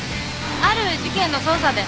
ある事件の捜査で。